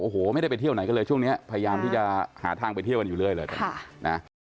สำหรับแอนชิลีมองสามมาไหมคะ